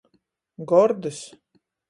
Gordys!